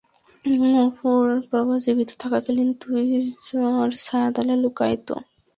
ওর বাবা জীবিত থাকাকালীন, তুই তার ছায়াতলে লুকাতি।